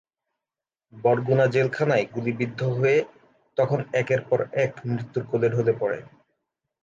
বরগুনা জেলখানায় গুলিবিদ্ধ হয়ে তখন একের পর এক মৃত্যুর কোলে ঢলে পড়ে।